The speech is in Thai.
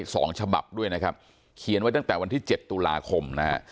มี๒ฉบับด้วยนะครับเขียนไว้ตั้งแต่วันที่๗ศุลาคม